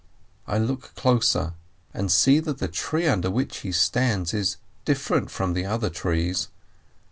I look closer and see that the tree under which he stands is different from the other trees.